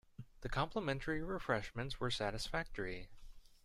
The complimentary refreshments were satisfactory.